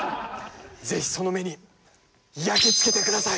ぜひその目に焼きつけてください！